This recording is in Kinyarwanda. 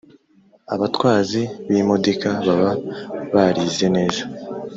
Abatwazi b’imodika baba barize neza